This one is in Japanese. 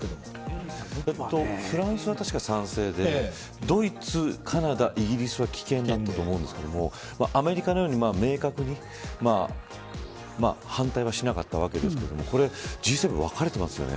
フランスは、たしか賛成でドイツ、カナダ、イギリスは棄権だったと思うんですけどアメリカのように、明確に反対はしなかったわけですけれどもこれＧ７分かれてますよね。